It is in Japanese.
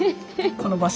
この場所。